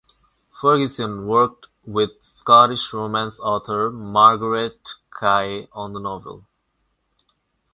Ferguson worked with Scottish romance author Marguerite Kaye on the novel.